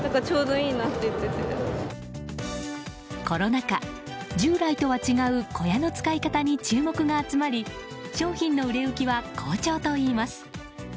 コロナ禍、従来とは違う小屋の使い方に注目が集まり商品の売れ行きは好調といいます。